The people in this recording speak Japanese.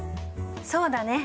そうだね。